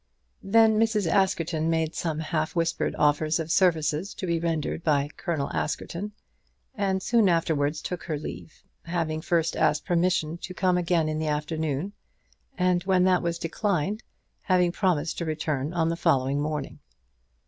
Then Mrs. Askerton made some half whispered offers of services to be rendered by Colonel Askerton, and soon afterwards took her leave, having first asked permission to come again in the afternoon, and when that was declined, having promised to return on the following morning.